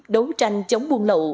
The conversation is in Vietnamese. đấu tranh chống buôn lậu